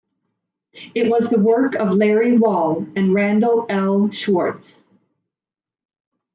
It was the work of Larry Wall and Randal L. Schwartz.